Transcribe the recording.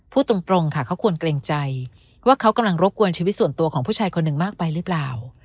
พูดตรงค่ะเขาควรเกรงใจว่าเขากำลังรบกวนชีวิตส่วนตัวของผู้ชายคนหนึ่งมากไปหรือเปล่า